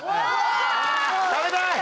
食べたい！